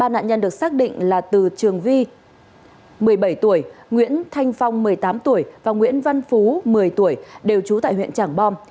ba nạn nhân được xác định là từ trường vi một mươi bảy tuổi nguyễn thanh phong một mươi tám tuổi và nguyễn văn phú một mươi tuổi đều trú tại huyện trảng bom